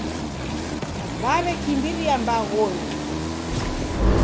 W'aw'ekimbiria mbaghonyi.